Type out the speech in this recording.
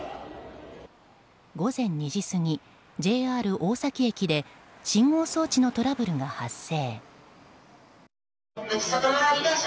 午前２時過ぎ、ＪＲ大崎駅で信号装置のトラブルが発生。